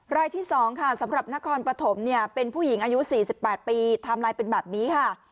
รายที่๒ค่ะสำหรับนครปฐมเนี่ยเป็นผู้หญิงอายุ๔๘ปีไทม์ไลน์เป็นแบบนี้ค่ะ